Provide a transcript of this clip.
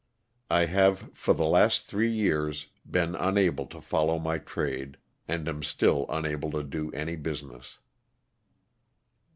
I have for the last three years been unable to follow my trade, and am still unable to do any business.